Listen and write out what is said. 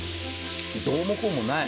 どうもこうもない。